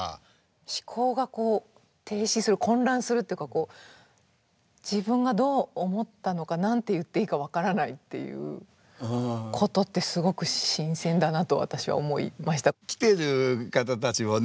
思考がこう停止する混乱するっていうかこう自分がどう思ったのか何て言っていいか分からないっていうことってすごく新鮮だなと私は思いました。来てる方たちもね